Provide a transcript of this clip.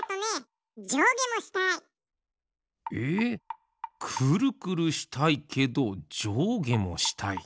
えくるくるしたいけどじょうげもしたい。